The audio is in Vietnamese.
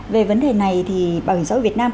về vấn đề này thì bảo hiểm xã hội việt nam